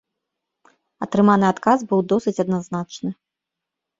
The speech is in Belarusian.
Атрыманы адказ быў досыць адназначны.